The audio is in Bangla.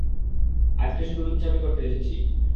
আজকে শুধু লুচ্চামি করতে এসেছি।